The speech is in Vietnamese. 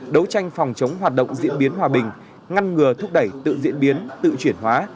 đấu tranh phòng chống hoạt động diễn biến hòa bình ngăn ngừa thúc đẩy tự diễn biến tự chuyển hóa